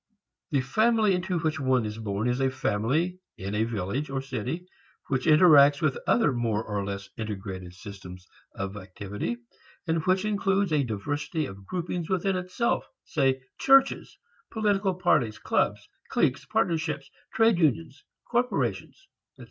The family into which one is born is a family in a village or city which interacts with other more or less integrated systems of activity, and which includes a diversity of groupings within itself, say, churches, political parties, clubs, cliques, partnerships, trade unions, corporations, etc.